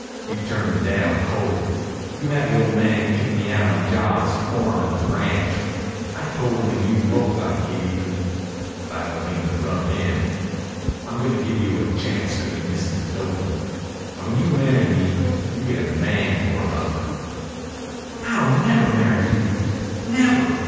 You turned me down cold. You had the ol' man kick me outa my job as foreman of the ranch. I told him an' you both I'd git even. But I don't aim to rub it in. I'm gonna give you a chance to be Mrs. Doble. An' when you marry me you git a man for a husband." "I'll never marry you! Never!